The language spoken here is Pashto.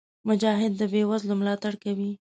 مجاهد د بېوزلو ملاتړ کوي.